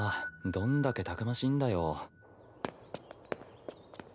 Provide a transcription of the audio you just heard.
どんだけたくましいんだよ。